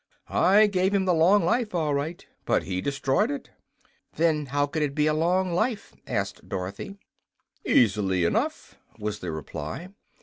"I gave him the long life, all right; but he destroyed it." "Then how could it be a long life?" asked Dorothy. "Easily enough," was the reply.